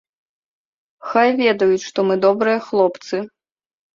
Хай ведаюць, што мы добрыя хлопцы.